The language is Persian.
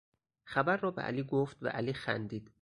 خبر را به علی گفت و علی خندید.